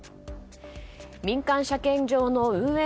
民間車検場の運営